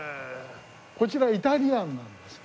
こちらイタリアンなんですけど。